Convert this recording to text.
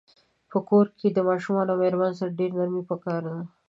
په کور کښی د ماشومانو او میرمنو سره ډیره نرمی پکار ده